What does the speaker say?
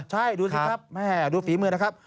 ใช่ดูสิครับแม่ดูฝีมือนะครับ